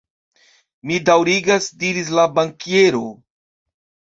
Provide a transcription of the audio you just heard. Mi daŭrigas, diris la bankiero.